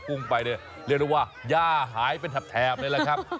พุ่งไปเรียกได้ว่าย่าหายเป็นแถบเลยครับ